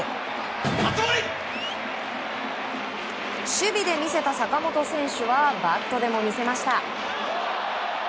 守備で見せた坂本選手はバットでも見せました。